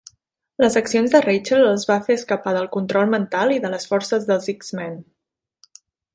Les accions de Rachel els va fer escapar del control mental i de les forces dels X-Men.